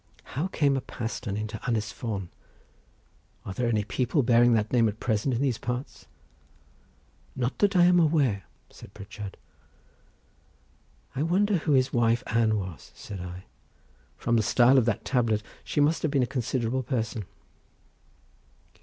How came a Paston into Ynis Fon? Are there any people bearing that name at present in these parts?" "Not that I am aware," said Pritchard. "I wonder who his wife Ann was?" said I, "from the style of that tablet she must have been a considerable person."